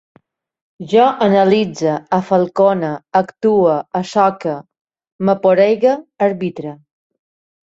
Jo analitze, afalcone, actue, assoque, m'aporegue, arbitre